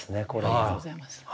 ありがとうございます。